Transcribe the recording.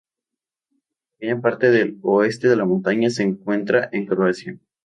Una pequeña parte del oeste de la montaña se encuentra en Croacia.